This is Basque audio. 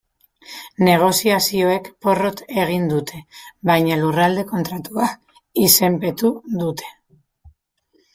Negoziazioek porrot egin dute, baina Lurralde Kontratua izenpetu dute.